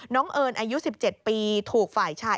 เอิญอายุ๑๗ปีถูกฝ่ายชาย